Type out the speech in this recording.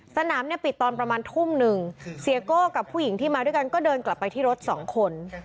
สนามเนี่ยปิดตอนประมาณทุ่มหนึ่งเสียโก้กับผู้หญิงที่มาด้วยกันก็เดินกลับไปที่รถสองคน